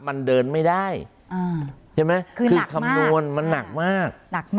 มันเดินไม่ได้คือคำนวณมันหนักมาก